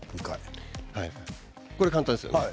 これは簡単ですよね。